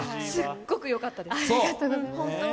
すっごくよかったです。